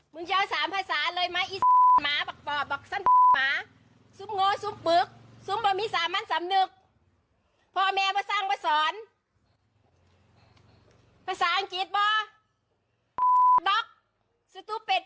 มึงจะเอาสามภาษาเลยไหมเย็นหมาบอกบอกบอกสั้นหมาซุ่มโง๊คซุ่มบึกซุ่มบามีสามรรดีสามนึง